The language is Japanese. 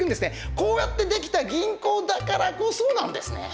こうやってできた銀行だからこそなんですね。